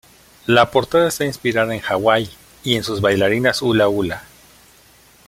La portada está inspirada en Hawái, y en sus bailarinas hula-hula.